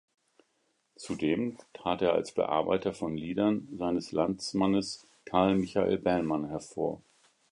Zudem trat er als Bearbeiter von Liedern seines Landsmannes Carl Michael Bellman hervor.